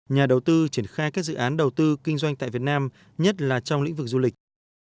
nhà đầu tư triển khai các dự án đầu tư kinh doanh tại việt nam nhất là trong lĩnh vực du lịch